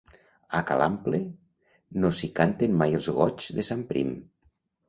A ca l'Ample, no s'hi canten mai els goigs de sant Prim.